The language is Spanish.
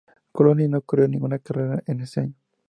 Coloni no corrió ninguna carrera en ese año.